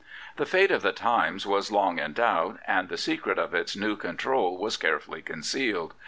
The fate of the Times was long in doubt, and the secret of its new control was carefully concealed.